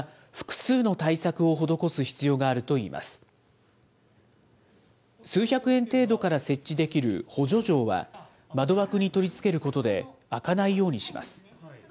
数百円程度から設置できる補助錠は、窓枠に取り付けることで開かないようにします。